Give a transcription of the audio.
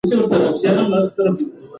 ایا احمدشاه بابا په خپله خوښه جګړې ته لاړ؟